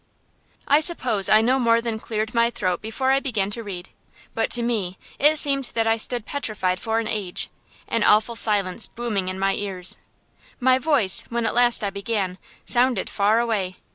I suppose I no more than cleared my throat before I began to read, but to me it seemed that I stood petrified for an age, an awful silence booming in my ears. My voice, when at last I began, sounded far away.